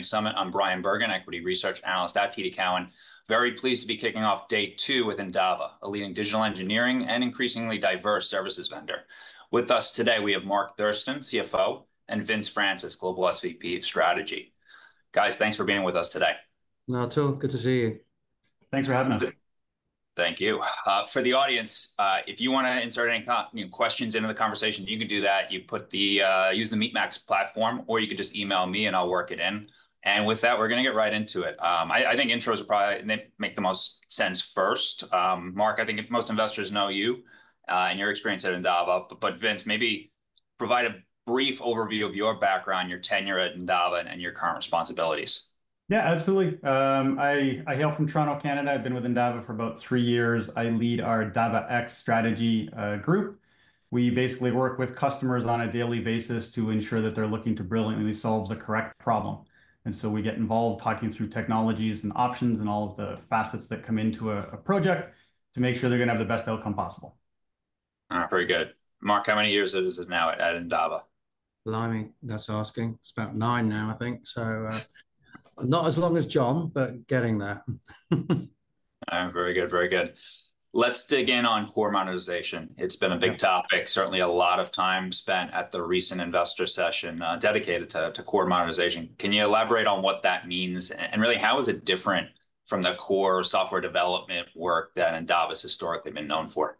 Summit. I'm Bryan Bergin, equity research analyst at TD Cowen. Very pleased to be kicking off day two with Endava, a leading digital engineering and increasingly diverse services vendor. With us today, we have Mark Thurston, CFO, and Vince Francis, Global SVP of Strategy. Guys, thanks for being with us today. Not at all. Good to see you. Thanks for having us. Thank you. For the audience, if you want to insert any questions into the conversation, you can do that. Use the MeetMax platform, or you can just email me and I'll work it in. And with that, we're going to get right into it. I think intros are probably make the most sense first. Mark, I think most investors know you and your experience at Endava, but Vince, maybe provide a brief overview of your background, your tenure at Endava, and your current responsibilities. Yeah, absolutely. I hail from Toronto, Canada. I've been with Endava for about three years. I lead our Endava X strategy group. We basically work with customers on a daily basis to ensure that they're looking to brilliantly solve the correct problem. And so we get involved talking through technologies and options and all of the facets that come into a project to make sure they're going to have the best outcome possible. Very good. Mark, how many years is it now at Endava? Blimey, that's asking. It's about nine now, I think. So not as long as John, but getting there. Very good, very good. Let's dig in on core monetization. It's been a big topic, certainly a lot of time spent at the recent investor session dedicated to core monetization. Can you elaborate on what that means and really how is it different from the core software development work that Endava's historically been known for?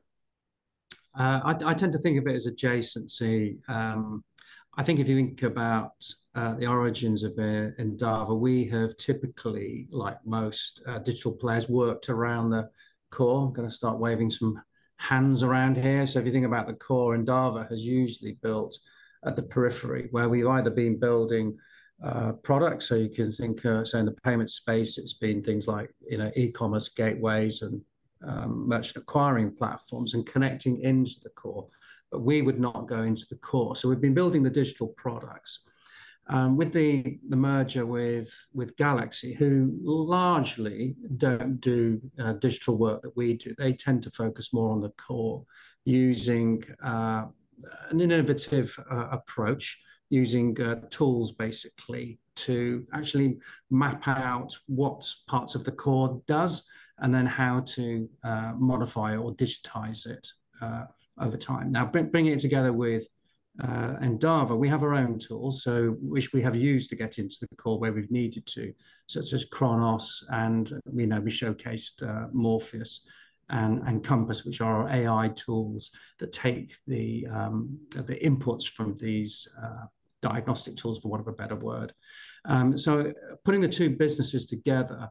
I tend to think of it as adjacency. I think if you think about the origins of Endava, we have typically, like most digital players, worked around the core. I'm going to start waving some hands around here, so if you think about the core, Endava has usually built at the periphery where we've either been building products, so you can think, say, in the payment space, it's been things like e-commerce gateways and merchant acquiring platforms and connecting into the core, but we would not go into the core, so we've been building the digital products. With the merger with GalaxE, who largely don't do digital work that we do, they tend to focus more on the core using an innovative approach, using tools basically to actually map out what parts of the core does and then how to modify or digitize it over time. Now, bringing it together with Endava, we have our own tools which we have used to get into the core where we've needed to, such as Chronos, and we showcased Morpheus and Compass, which are our AI tools that take the inputs from these diagnostic tools, for want of a better word, so putting the two businesses together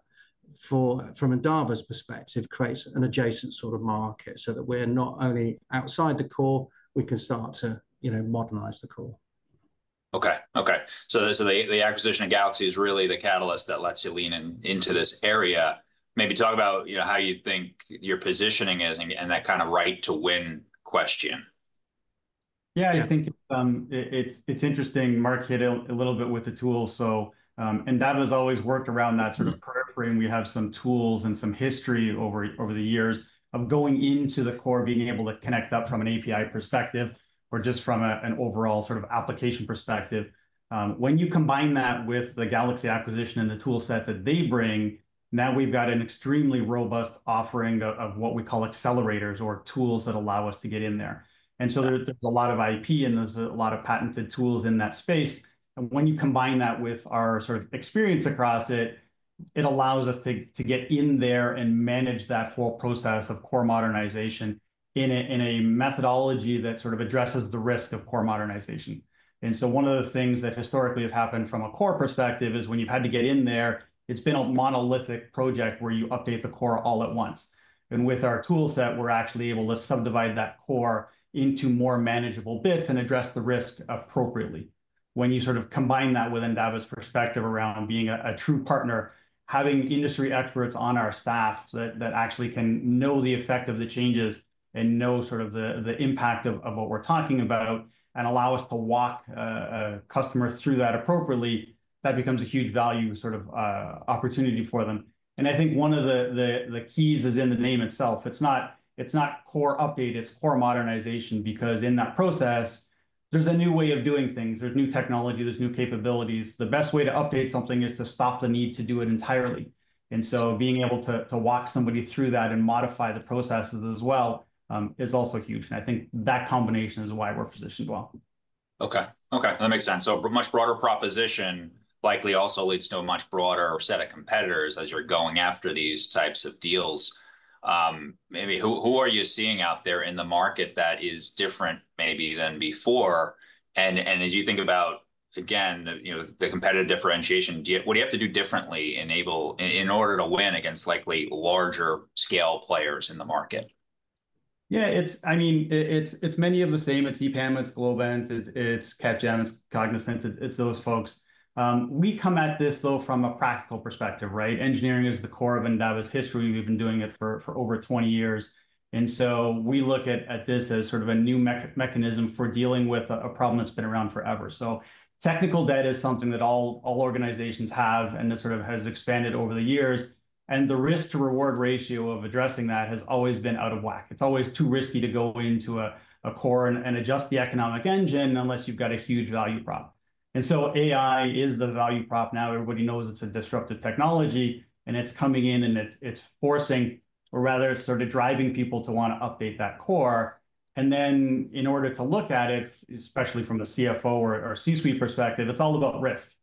from Endava's perspective creates an adjacent sort of market so that we're not only outside the core, we can start to modernize the core. Okay, okay. So the acquisition of GalaxE is really the catalyst that lets you lean into this area. Maybe talk about how you think your positioning is and that kind of right to win question? Yeah, I think it's interesting. Mark hit it a little bit with the tools. So Endava's always worked around that sort of periphery. We have some tools and some history over the years of going into the core, being able to connect up from an API perspective or just from an overall sort of application perspective. When you combine that with the GalaxE acquisition and the toolset that they bring, now we've got an extremely robust offering of what we call accelerators or tools that allow us to get in there. And so there's a lot of IP and there's a lot of patented tools in that space. And when you combine that with our sort of experience across it, it allows us to get in there and manage that whole process of core modernization in a methodology that sort of addresses the risk of core modernization. And so one of the things that historically has happened from a core perspective is when you've had to get in there, it's been a monolithic project where you update the core all at once. And with our toolset, we're actually able to subdivide that core into more manageable bits and address the risk appropriately. When you sort of combine that with Endava's perspective around being a true partner, having industry experts on our staff that actually can know the effect of the changes and know sort of the impact of what we're talking about and allow us to walk a customer through that appropriately, that becomes a huge value sort of opportunity for them. And I think one of the keys is in the name itself. It's not core update, it's core modernization because in that process, there's a new way of doing things. There's new technology, there's new capabilities. The best way to update something is to stop the need to do it entirely, and so being able to walk somebody through that and modify the processes as well is also huge, and I think that combination is why we're positioned well. Okay, okay. That makes sense. So a much broader proposition likely also leads to a much broader set of competitors as you're going after these types of deals. Maybe who are you seeing out there in the market that is different maybe than before? And as you think about, again, the competitive differentiation, what do you have to do differently in order to win against likely larger scale players in the market? Yeah, I mean, it's many of the same. It's EPAM, it's Globant, it's Capgem, it's Cognizant, it's those folks. We come at this though from a practical perspective, right? Engineering is the core of Endava's history. We've been doing it for over 20 years. And so we look at this as sort of a new mechanism for dealing with a problem that's been around forever. So technical debt is something that all organizations have and that sort of has expanded over the years. And the risk-to-reward ratio of addressing that has always been out of whack. It's always too risky to go into a core and adjust the economic engine unless you've got a huge value prop. And so AI is the value prop now. Everybody knows it's a disruptive technology and it's coming in and it's forcing or rather it's sort of driving people to want to update that core, and then in order to look at it, especially from the CFO or C-suite perspective, it's all about risk.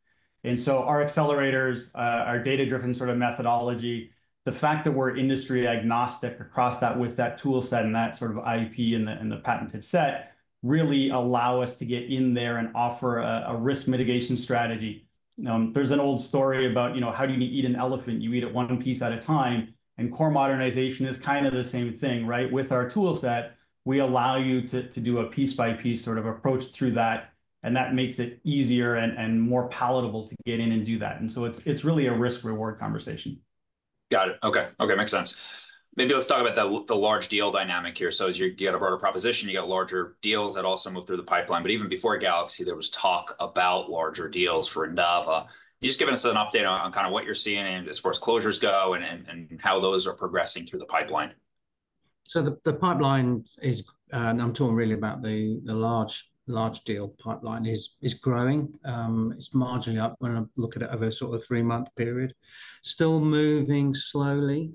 And so our accelerators, our data-driven sort of methodology, the fact that we're industry agnostic across that with that toolset and that sort of IP and the patented set really allow us to get in there and offer a risk mitigation strategy. There's an old story about how do you eat an elephant? You eat it one piece at a time, and core modernization is kind of the same thing, right? With our toolset, we allow you to do a piece-by-piece sort of approach through that, and that makes it easier and more palatable to get in and do that. And so it's really a risk-reward conversation. Got it. Okay, okay. Makes sense. Maybe let's talk about the large deal dynamic here. So as you get a broader proposition, you got larger deals that also move through the pipeline. But even before GalaxE, there was talk about larger deals for Endava. Can you just give us an update on kind of what you're seeing as far as closures go and how those are progressing through the pipeline? So the pipeline is, and I'm talking really about the large deal pipeline, is growing. It's marginally up when I look at it over a sort of three-month period. Still moving slowly,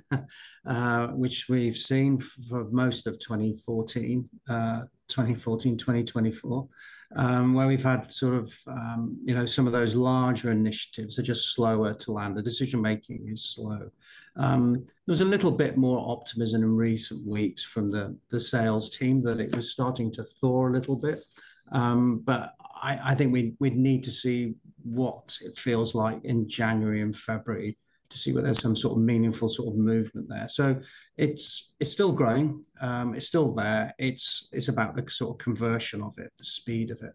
which we've seen for most of 2024, where we've had sort of some of those larger initiatives are just slower to land. The decision-making is slow. There was a little bit more optimism in recent weeks from the sales team that it was starting to thaw a little bit. But I think we'd need to see what it feels like in January and February to see whether there's some sort of meaningful sort of movement there. So it's still growing. It's still there. It's about the sort of conversion of it, the speed of it.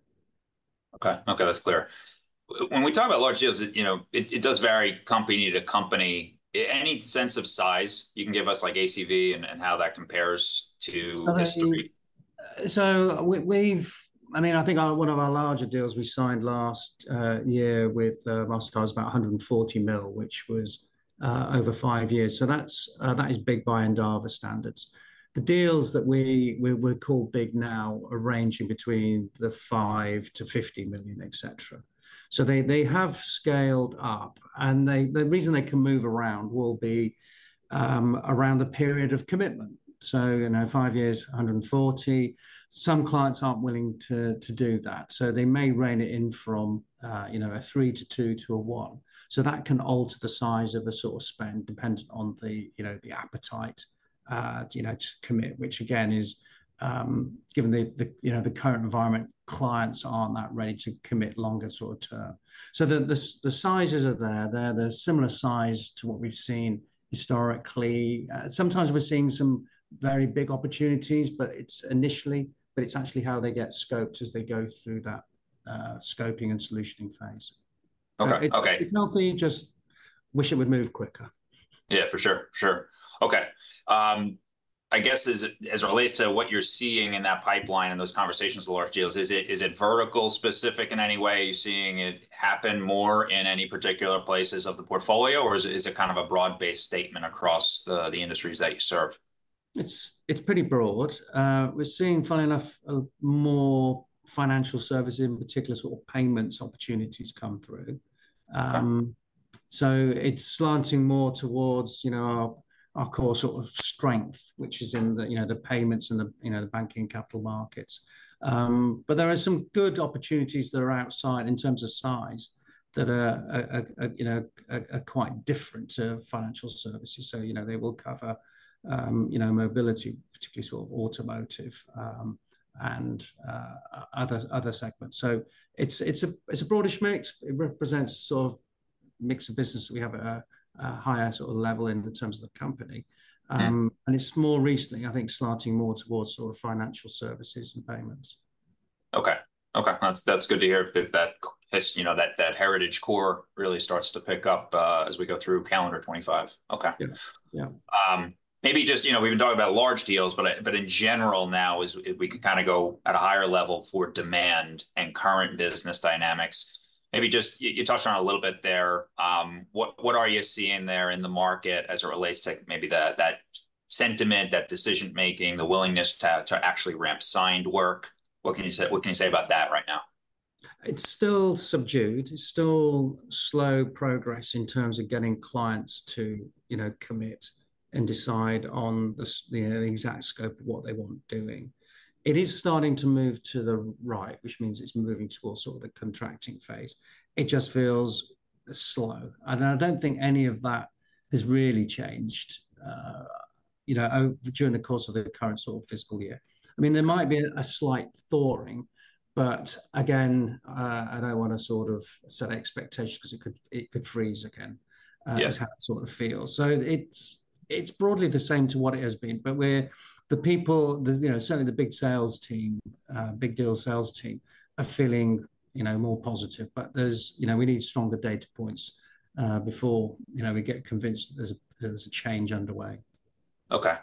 Okay, okay. That's clear. When we talk about large deals, it does vary company to company. Any sense of size you can give us like ACV and how that compares to history? So I mean, I think one of our larger deals we signed last year with Mastercard was about $140 million, which was over five years. So that is big by Endava standards. The deals that we would call big now are ranging between $5-$50 million, etc. So they have scaled up. And the reason they can move around will be around the period of commitment. So five years, $140 million. Some clients aren't willing to do that. So they may rein it in from a three to two to a one. So that can alter the size of a sort of spend dependent on the appetite to commit, which again, is given the current environment, clients aren't that ready to commit longer sort of term. So the sizes are there. They're similar size to what we've seen historically. Sometimes we're seeing some very big opportunities, but it's actually how they get scoped as they go through that scoping and solutioning phase. It's not that you just wish it would move quicker. Yeah, for sure. Sure. Okay. I guess as it relates to what you're seeing in that pipeline and those conversations of large deals, is it vertical-specific in any way? Are you seeing it happen more in any particular places of the portfolio, or is it kind of a broad-based statement across the industries that you serve? It's pretty broad. We're seeing, funny enough, more financial services, in particular sort of payments opportunities come through, so it's slanting more towards our core sort of strength, which is in the payments and the banking capital markets, but there are some good opportunities that are outside in terms of size that are quite different to financial services, so they will cover mobility, particularly sort of automotive and other segments, so it's a broader mix. It represents sort of mix of business. We have a higher sort of level in terms of the company, and it's more recently, I think, slanting more towards sort of financial services and payments. Okay. Okay. That's good to hear that heritage core really starts to pick up as we go through calendar 2025. Okay. Maybe just we've been talking about large deals, but in general now, we can kind of go at a higher level for demand and current business dynamics. Maybe just you touched on a little bit there. What are you seeing there in the market as it relates to maybe that sentiment, that decision-making, the willingness to actually ramp signed work? What can you say about that right now? It's still subdued. It's still slow progress in terms of getting clients to commit and decide on the exact scope of what they want doing. It is starting to move to the right, which means it's moving towards sort of the contracting phase. It just feels slow, and I don't think any of that has really changed during the course of the current sort of fiscal year. I mean, there might be a slight thawing, but again, I don't want to sort of set expectations because it could freeze again. That's how it sort of feels, so it's broadly the same to what it has been, but the people, certainly the big sales team, big deal sales team, are feeling more positive, but we need stronger data points before we get convinced there's a change underway. Okay.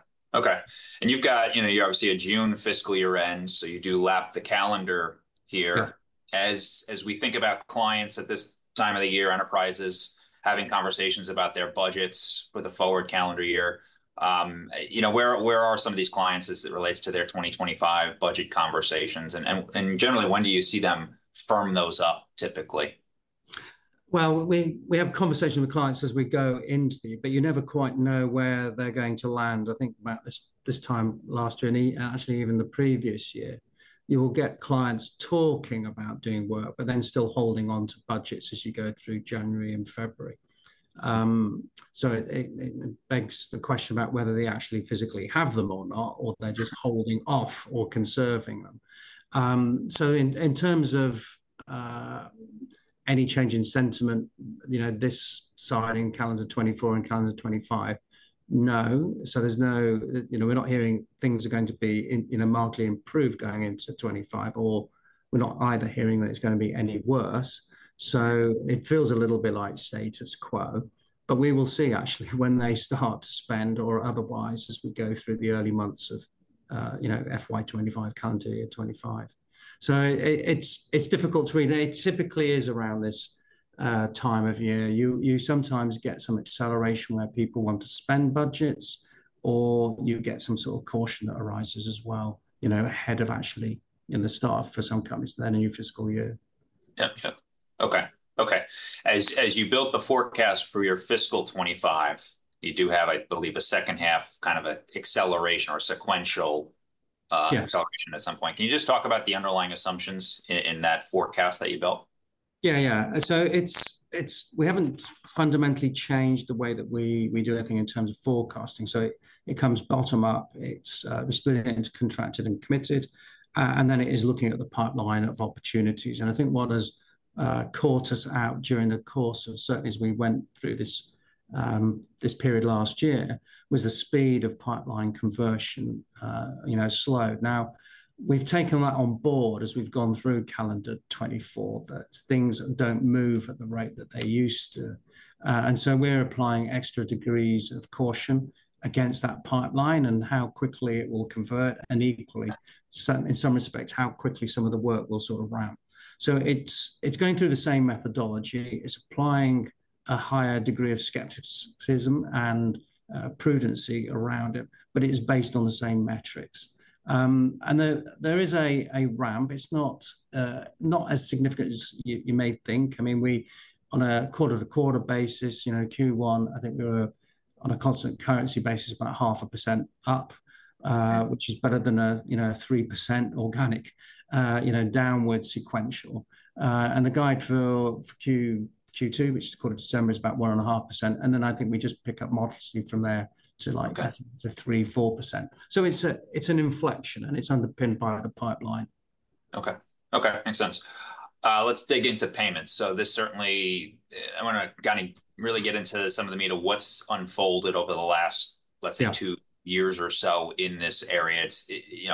And you've got obviously a June fiscal year end, so you do lap the calendar here. As we think about clients at this time of the year, enterprises having conversations about their budgets for the forward calendar year, where are some of these clients as it relates to their 2025 budget conversations? And generally, when do you see them firm those up typically? We have conversations with clients as we go into the year, but you never quite know where they're going to land. I think about this time last year and actually even the previous year, you will get clients talking about doing work, but then still holding on to budgets as you go through January and February. So it begs the question about whether they actually physically have them or not, or they're just holding off or conserving them. So in terms of any change in sentiment, this signing calendar 2024 and calendar 2025, no. So there's no, we're not hearing things are going to be markedly improved going into 2025, or we're not either hearing that it's going to be any worse. So it feels a little bit like status quo. But we will see actually when they start to spend or otherwise as we go through the early months of FY 2025, calendar year 2025. So it's difficult to read. It typically is around this time of year. You sometimes get some acceleration where people want to spend budgets, or you get some sort of caution that arises as well ahead of actually in the start for some companies in the new fiscal year. Yep. Okay. As you build the forecast for your Fiscal 2025, you do have, I believe, a second half kind of an acceleration or sequential acceleration at some point. Can you just talk about the underlying assumptions in that forecast that you built? Yeah, yeah. So we haven't fundamentally changed the way that we do anything in terms of forecasting. So it comes bottom up. It's split into contracted and committed. And then it is looking at the pipeline of opportunities. And I think what has caught us out during the course of certainly as we went through this period last year was the speed of pipeline conversion slowed. Now, we've taken that on board as we've gone through calendar 2024 that things don't move at the rate that they used to. And so we're applying extra degrees of caution against that pipeline and how quickly it will convert. And equally, in some respects, how quickly some of the work will sort of ramp. So it's going through the same methodology. It's applying a higher degree of skepticism and prudence around it, but it is based on the same metrics. There is a ramp. It's not as significant as you may think. I mean, on a quarter-to-quarter basis, Q1, I think we were on a constant currency basis, about 0.5% up, which is better than a 3% organic downward sequential. The guide for Q2, which is the quarter of December, is about 1.5%. I think we just pick up modestly from there to like 3%-4%. It's an inflection, and it's underpinned by the pipeline. Okay. Okay. Makes sense. Let's dig into payments. So this certainly I want to kind of really get into some of the meat of what's unfolded over the last, let's say, two years or so in this area.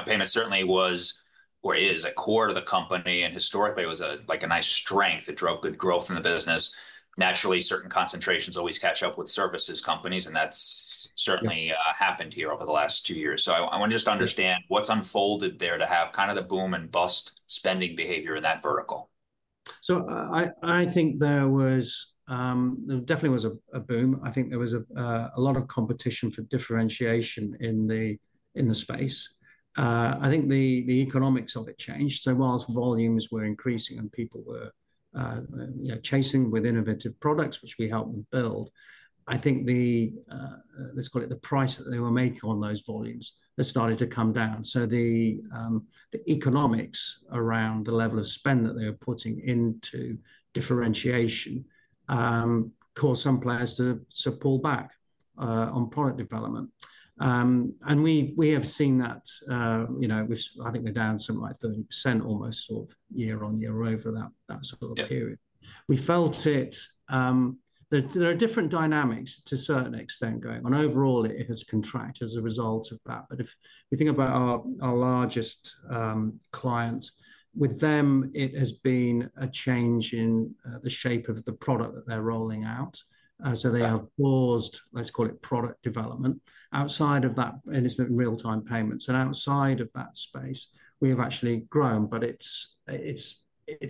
Payment certainly was or is a core to the company. And historically, it was like a nice strength that drove good growth in the business. Naturally, certain concentrations always catch up with services companies. And that's certainly happened here over the last two years. So I want to just understand what's unfolded there to have kind of the boom and bust spending behavior in that vertical. So I think there was definitely a boom. I think there was a lot of competition for differentiation in the space. I think the economics of it changed. So whilst volumes were increasing and people were chasing with innovative products, which we helped them build, I think let's call it the price that they were making on those volumes that started to come down. So the economics around the level of spend that they were putting into differentiation caused some players to pull back on product development. And we have seen that I think we're down some like 30% almost sort of year on year over that sort of period. We felt it. There are different dynamics to a certain extent going on. Overall, it has contracted as a result of that. But if we think about our largest clients, with them, it has been a change in the shape of the product that they're rolling out. So they have paused, let's call it, product development. Outside of that, and it's been real-time payments. And outside of that space, we have actually grown, but it's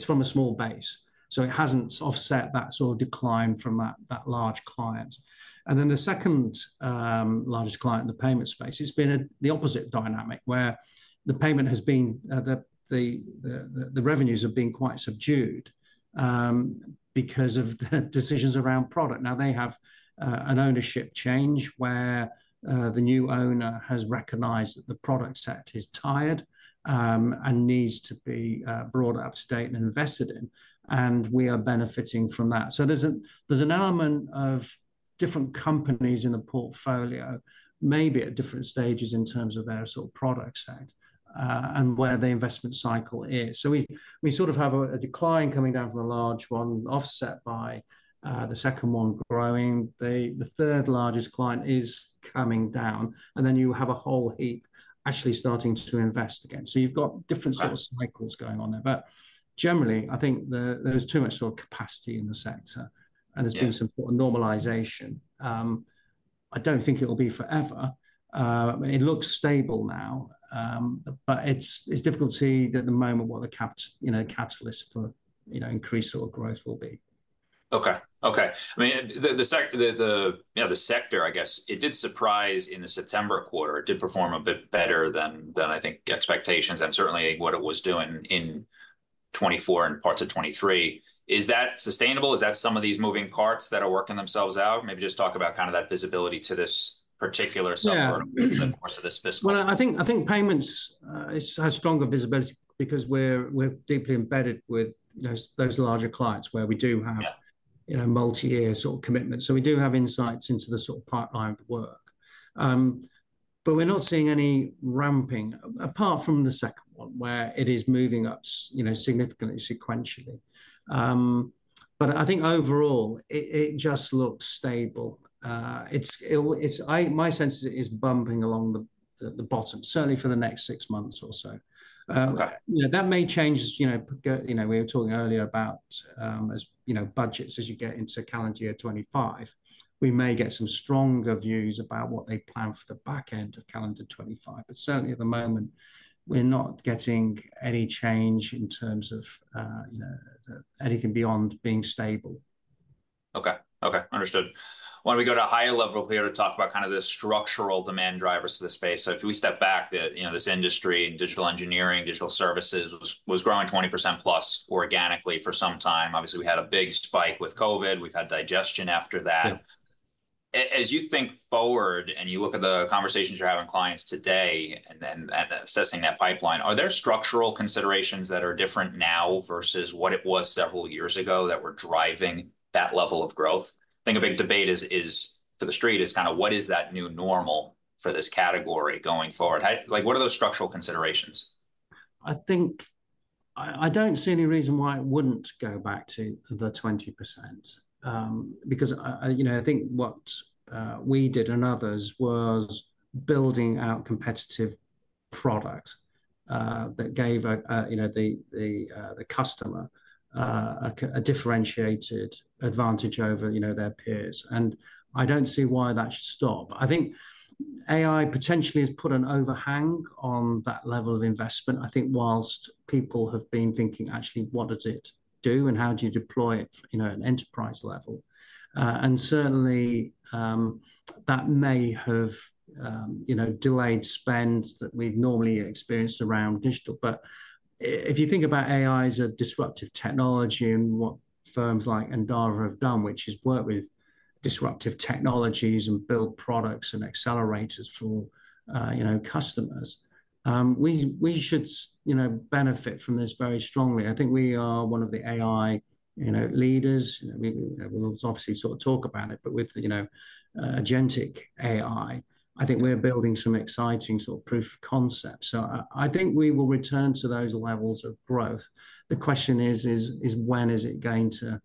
from a small base. So it hasn't offset that sort of decline from that large client. And then the second largest client in the payment space, it's been the opposite dynamic where the revenues have been quite subdued because of the decisions around product. Now, they have an ownership change where the new owner has recognized that the product set is tired and needs to be brought up to date and invested in. And we are benefiting from that. So there's an element of different companies in the portfolio, maybe at different stages in terms of their sort of product set and where the investment cycle is. So we sort of have a decline coming down from a large one, offset by the second one growing. The third largest client is coming down. And then you have a whole heap actually starting to invest again. So you've got different sort of cycles going on there. But generally, I think there's too much sort of capacity in the sector. And there's been some sort of normalization. I don't think it will be forever. It looks stable now, but it's difficult to see at the moment what the catalyst for increased sort of growth will be. Okay. I mean, yeah, the sector, I guess, it did surprise in the September quarter. It did perform a bit better than I think expectations and certainly what it was doing in 2024 and parts of 2023. Is that sustainable? Is that some of these moving parts that are working themselves out? Maybe just talk about kind of that visibility to this particular subgroup in the course of this fiscal year. I think payments has stronger visibility because we're deeply embedded with those larger clients where we do have multi-year sort of commitments. So we do have insights into the sort of pipeline of work. But we're not seeing any ramping apart from the second one where it is moving up significantly sequentially. But I think overall, it just looks stable. My sense is it is bumping along the bottom, certainly for the next six months or so. That may change. We were talking earlier about as budgets as you get into calendar year 2025, we may get some stronger views about what they plan for the back end of calendar 2025. But certainly at the moment, we're not getting any change in terms of anything beyond being stable. Okay. Okay. Understood. Want to go to a higher level here to talk about kind of the structural demand drivers for the space? So if we step back, this industry and digital engineering, digital services was growing 20%+ organically for some time. Obviously, we had a big spike with COVID. We've had digestion after that. As you think forward and you look at the conversations you're having with clients today and assessing that pipeline, are there structural considerations that are different now versus what it was several years ago that were driving that level of growth? I think a big debate for the street is kind of what is that new normal for this category going forward? What are those structural considerations? I don't see any reason why it wouldn't go back to the 20% because I think what we did and others was building out competitive products that gave the customer a differentiated advantage over their peers, and I don't see why that should stop. I think AI potentially has put an overhang on that level of investment, I think, while people have been thinking, actually, what does it do and how do you deploy it at an enterprise level, and certainly, that may have delayed spend that we've normally experienced around digital, but if you think about AI as a disruptive technology and what firms like Endava have done, which is work with disruptive technologies and build products and accelerators for customers, we should benefit from this very strongly. I think we are one of the AI leaders. We'll obviously sort of talk about it, but with agentic AI, I think we're building some exciting sort of proof of concept. So I think we will return to those levels of growth. The question is, when is it going to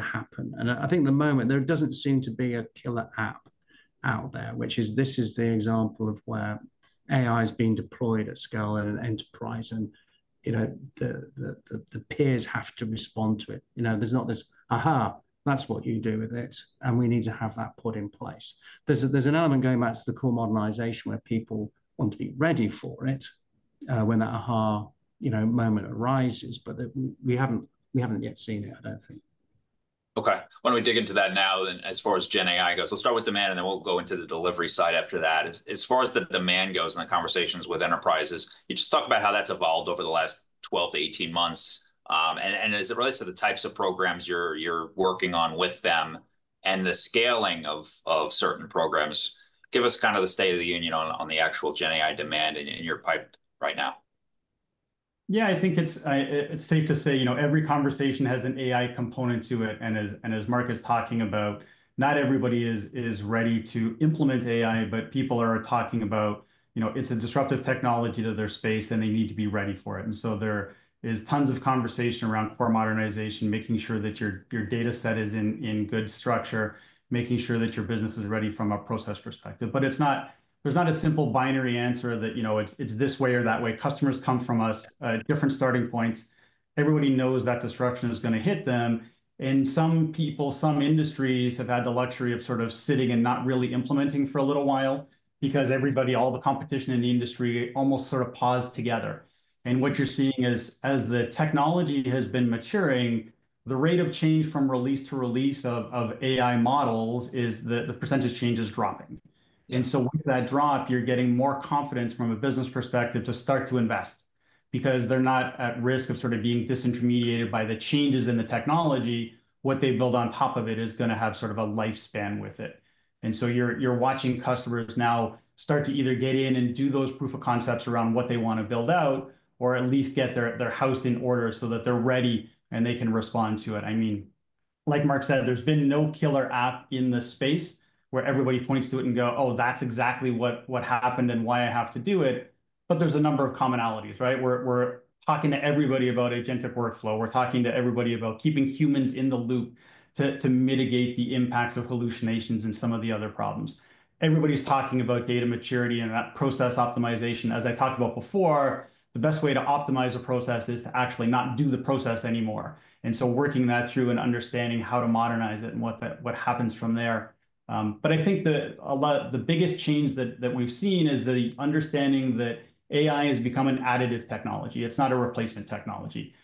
happen? And I think at the moment, there doesn't seem to be a killer app out there, which is this is the example of where AI has been deployed at scale in an enterprise and the peers have to respond to it. There's not this aha, that's what you do with it. And we need to have that put in place. There's an element going back to the core modernization where people want to be ready for it when that aha moment arises, but we haven't yet seen it, I don't think. Okay. Why don't we dig into that now as far as Gen AI goes? We'll start with demand, and then we'll go into the delivery side after that. As far as the demand goes and the conversations with enterprises, you just talk about how that's evolved over the last 12-18 months. As it relates to the types of programs you're working on with them and the scaling of certain programs, give us kind of the state of the union on the actual Gen AI demand in your pipe right now. Yeah, I think it's safe to say every conversation has an AI component to it, and as Mark is talking about, not everybody is ready to implement AI, but people are talking about it's a disruptive technology to their space, and they need to be ready for it, and so there is tons of conversation around core modernization, making sure that your data set is in good structure, making sure that your business is ready from a process perspective, but there's not a simple binary answer that it's this way or that way. Customers come from us at different starting points. Everybody knows that disruption is going to hit them, and some people, some industries have had the luxury of sort of sitting and not really implementing for a little while because everybody, all the competition in the industry almost sort of paused together. And what you're seeing is as the technology has been maturing, the rate of change from release to release of AI models is that the percentage change is dropping. And so with that drop, you're getting more confidence from a business perspective to start to invest because they're not at risk of sort of being disintermediated by the changes in the technology. What they build on top of it is going to have sort of a lifespan with it. And so you're watching customers now start to either get in and do those proof of concepts around what they want to build out or at least get their house in order so that they're ready and they can respond to it. I mean, like Mark said, there's been no killer app in the space where everybody points to it and go, "Oh, that's exactly what happened and why I have to do it." But there's a number of commonalities, right? We're talking to everybody about agentic workflow. We're talking to everybody about keeping humans in the loop to mitigate the impacts of hallucinations and some of the other problems. Everybody's talking about data maturity and that process optimization. As I talked about before, the best way to optimize a process is to actually not do the process anymore. And so working that through and understanding how to modernize it and what happens from there. But I think the biggest change that we've seen is the understanding that AI has become an additive technology. It's not a replacement technology.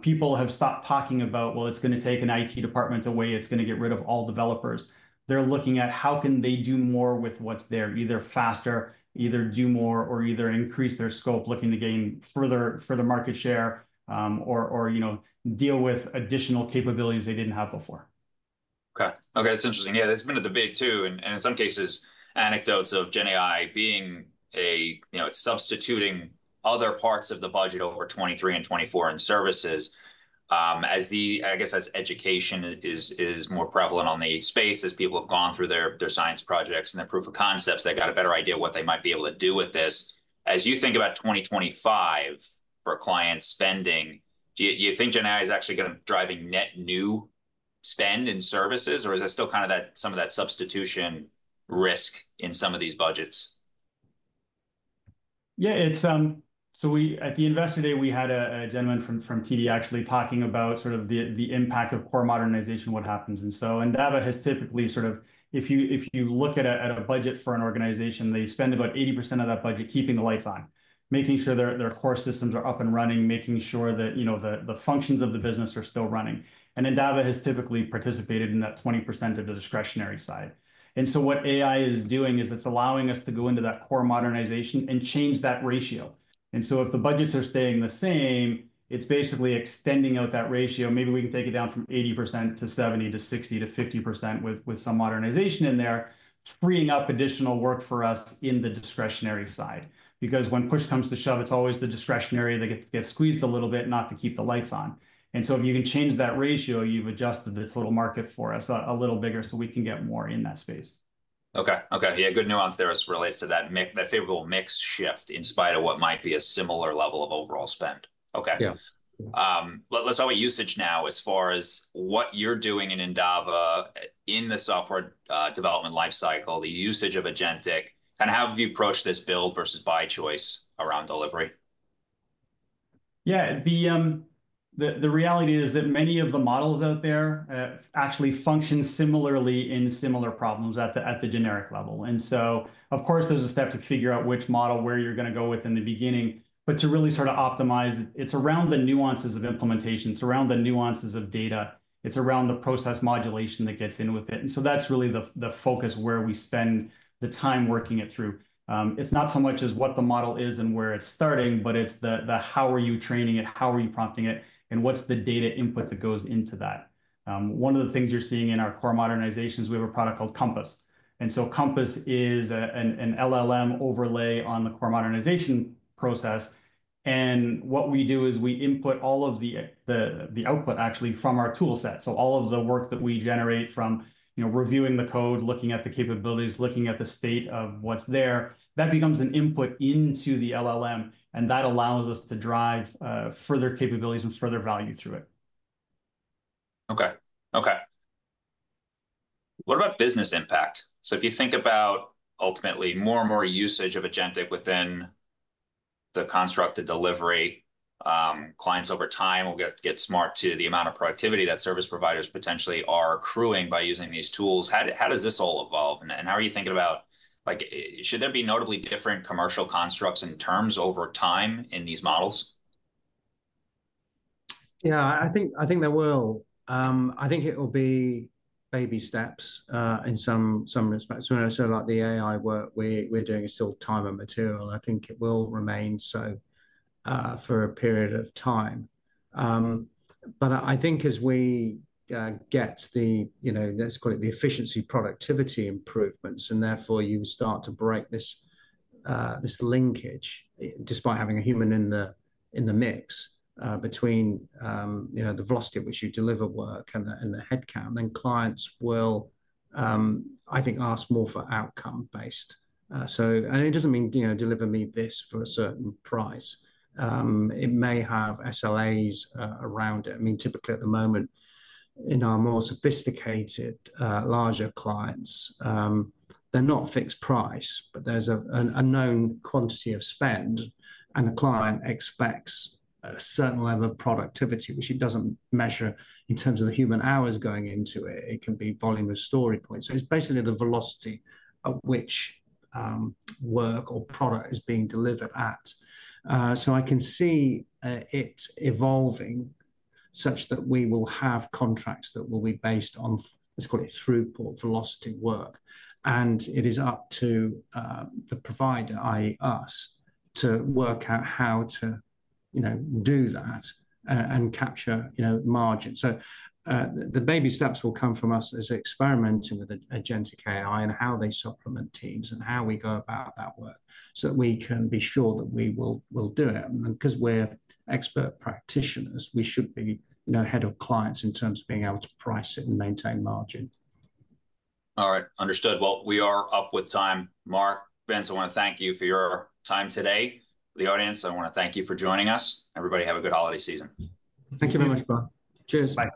People have stopped talking about, "Well, it's going to take an IT department away. It's going to get rid of all developers." They're looking at how can they do more with what's there, either faster, either do more, or either increase their scope, looking to gain further market share or deal with additional capabilities they didn't have before. Okay. Okay. That's interesting. Yeah. That's been at the big two. And in some cases, anecdotes of Gen AI being a substituting other parts of the budget over 2023 and 2024 in services, I guess as education is more prevalent on the space, as people have gone through their science projects and their proof of concepts, they've got a better idea of what they might be able to do with this. As you think about 2025 for client spending, do you think Gen AI is actually going to be driving net new spend in services, or is there still kind of some of that substitution risk in some of these budgets? Yeah. So at the investor day, we had a gentleman from TD actually talking about sort of the impact of core modernization, what happens. And so Endava has typically sort of, if you look at a budget for an organization, they spend about 80% of that budget keeping the lights on, making sure their core systems are up and running, making sure that the functions of the business are still running. And Endava has typically participated in that 20% of the discretionary side. And so what AI is doing is it's allowing us to go into that core modernization and change that ratio. And so if the budgets are staying the same, it's basically extending out that ratio. Maybe we can take it down from 80% to 70% to 60% to 50% with some modernization in there, freeing up additional work for us in the discretionary side. Because when push comes to shove, it's always the discretionary that gets squeezed a little bit, not to keep the lights on, and so if you can change that ratio, you've adjusted the total market for us a little bigger so we can get more in that space. Okay. Okay. Yeah. Good nuance there as it relates to that favorable mix shift in spite of what might be a similar level of overall spend. Okay. Yeah. Let's talk about usage now as far as what you're doing in Endava in the software development lifecycle, the usage of agentic. And how have you approached this build versus buy choice around delivery? Yeah. The reality is that many of the models out there actually function similarly in similar problems at the generic level. And so, of course, there's a step to figure out which model where you're going to go with in the beginning, but to really sort of optimize, it's around the nuances of implementation. It's around the nuances of data. It's around the process modulation that gets in with it. And so that's really the focus where we spend the time working it through. It's not so much as what the model is and where it's starting, but it's the how are you training it, how are you prompting it, and what's the data input that goes into that. One of the things you're seeing in our core modernizations, we have a product called Compass. And so Compass is an LLM overlay on the core modernization process. What we do is we input all of the output actually from our toolset. All of the work that we generate from reviewing the code, looking at the capabilities, looking at the state of what's there, that becomes an input into the LLM. That allows us to drive further capabilities and further value through it. Okay. What about business impact? So if you think about ultimately more and more usage of agentic within the construct of delivery, clients over time will get smart to the amount of productivity that service providers potentially are accruing by using these tools. How does this all evolve? And how are you thinking about, should there be notably different commercial constructs and terms over time in these models? Yeah, I think there will. I think it will be baby steps in some respects. When I say the AI work we're doing is still time and material, and I think it will remain so for a period of time. But I think as we get the, let's call it the efficiency productivity improvements, and therefore you start to break this linkage despite having a human in the mix between the velocity at which you deliver work and the headcount, then clients will, I think, ask more for outcome-based. And it doesn't mean deliver me this for a certain price. It may have SLAs around it. I mean, typically at the moment in our more sophisticated, larger clients, they're not fixed price, but there's an unknown quantity of spend, and the client expects a certain level of productivity, which it doesn't measure in terms of the human hours going into it. It can be volume of story points. So it's basically the velocity at which work or product is being delivered at. So I can see it evolving such that we will have contracts that will be based on, let's call it throughput velocity work. And it is up to the provider, i.e., us, to work out how to do that and capture margin. So the baby steps will come from us as experimenting with agentic AI and how they supplement teams and how we go about that work so that we can be sure that we will do it. Because we're expert practitioners, we should be ahead of clients in terms of being able to price it and maintain margin. All right. Understood. Well, we are up with time. Mark Thurston, I want to thank you for your time today. The audience, I want to thank you for joining us. Everybody, have a good holiday season. Thank you very much, Mark. Cheers. Bye.